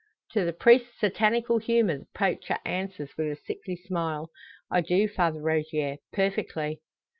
To the priest's satanical humour the poacher answers, with a sickly smile, "I do, Father Rogier; perfectly."